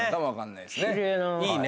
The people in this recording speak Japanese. いいね